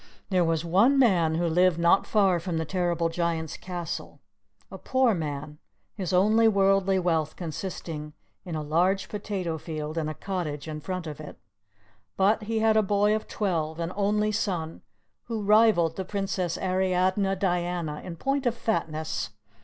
There was one man who lived not far from the terrible Giant's castle, a poor man, his only worldly wealth consisting in a large potato field and a cottage in front of it. But he had a boy of twelve, an only son, who rivaled the Princess Ariadne Diana in point of fatness.